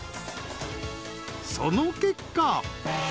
［その結果］